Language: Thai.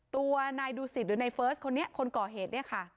ตัวนายดูสิทธิ์หรือในเฟิรสต์คนนี้คนก่อเหตุ